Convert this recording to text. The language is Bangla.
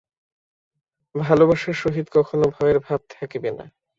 ভালবাসার সহিত কখনও ভয়ের ভাব থাকিবে না।